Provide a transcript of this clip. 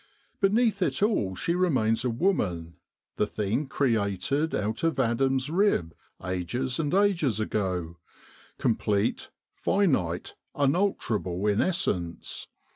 Beneath it all she remains a woman the thing created out of Adam's rib ages and ages ago complete, finite, unalterable in essence.